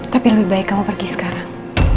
tapi lebih baik kamu pergi sekarang